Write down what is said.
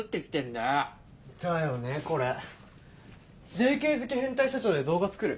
だよねこれＪＫ好き変態社長で動画作る？